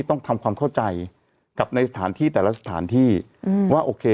ต้องทำความเข้าใจกับในสถานที่แต่ละสถานที่อืมว่าโอเค